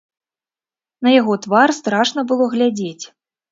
На яго твар страшна было глядзець.